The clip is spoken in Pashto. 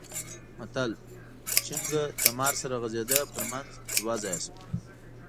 متل؛ چينګه له مار سره غځېده؛ پر منځ دوه ځايه شوه.